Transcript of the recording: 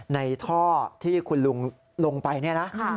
ในท่อที่คุณลุงลงไปเนี่ยนะ